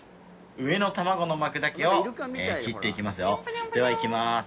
上の卵の膜だけを切っていきますよではいきます